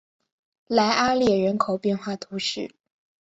莱阿列人口变化图示